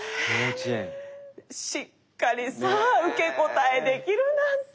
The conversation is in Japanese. しっかりさ受け答えできるなんてもう。